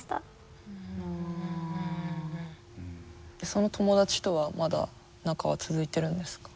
その友達とはまだ仲は続いてるんですか？